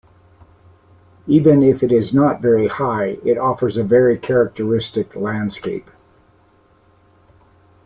Even if it is not very high, it offers a very characteristic landscape.